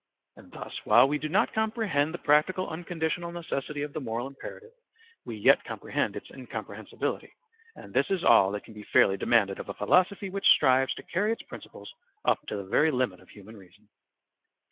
And thus while we do not comprehend the practical unconditional necessity of the moral imperative, we yet comprehend its incomprehensibility, and this is all that can be fairly demanded of a philosophy which strives to carry its principles up to the very limit of human reason.